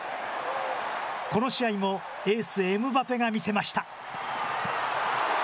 この試合もエース、エムバペが見せました。